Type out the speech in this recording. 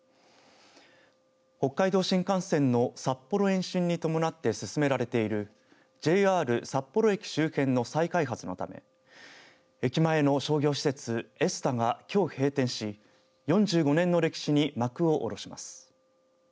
北海道新幹線の札幌延伸に伴って進められているＪＲ札幌駅周辺の再開発のため駅前の商業施設エスタがきょう閉店し４５年の歴史に幕を下ろします。